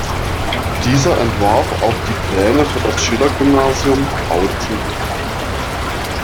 Dieser entwarf auch die Pläne für das Schiller-Gymnasium Bautzen.